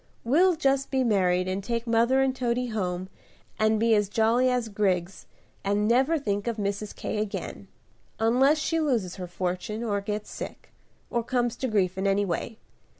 We'll just be married and take mother and Toady home and be as jolly as grigs, and never think of Mrs. K. again, unless she loses her fortune, or gets sick, or comes to grief in any way.